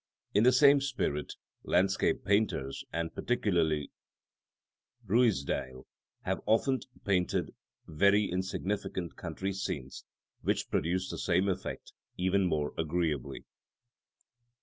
In the same spirit, landscape painters, and particularly Ruisdael, have often painted very insignificant country scenes, which produce the same effect even more agreeably.